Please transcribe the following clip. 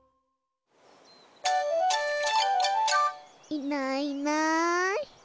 いないいない。